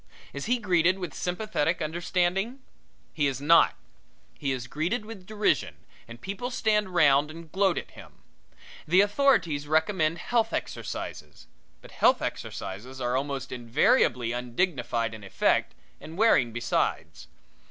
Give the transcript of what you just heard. Is he greeted with sympathetic understanding? He is not. He is greeted with derision and people stand round and gloat at him. The authorities recommend health exercises, but health exercises are almost invariably undignified in effect and wearing besides.